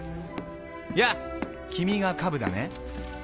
やぁ君がカブだね。